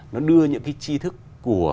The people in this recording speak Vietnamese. nó đưa những cái chi thức của